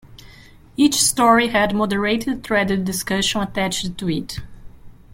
Each story had moderated threaded discussion attached to it.